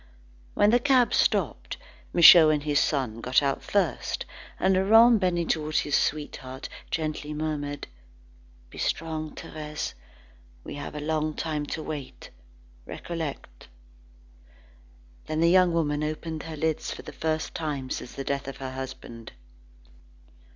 When the cab stopped, Michaud and his son got out the first, and Laurent bending towards his sweetheart gently murmured: "Be strong, Thérèse. We have a long time to wait. Recollect." Then the young woman opened her lips for the first time since the death of her husband.